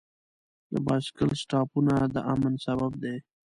د بایسکل سټاپونه د امن سبب دی.